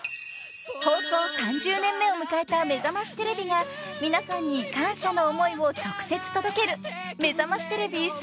［放送３０年目を迎えた『めざましテレビ』が皆さんに感謝の思いを直接届ける］